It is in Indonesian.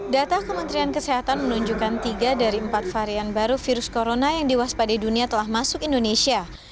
data kementerian kesehatan menunjukkan tiga dari empat varian baru virus corona yang diwaspadai dunia telah masuk indonesia